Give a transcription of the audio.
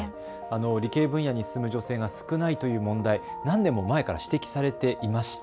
理系分野に進む女性が少ないという問題、何年も前から指摘されていました。